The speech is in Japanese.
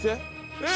えっ